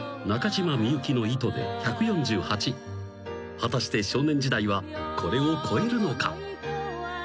［果たして『少年時代』はこれを超えるのか？］